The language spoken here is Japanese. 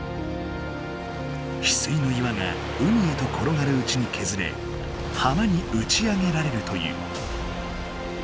ヒスイの岩が海へところがるうちにけずれはまにうちあげられるという。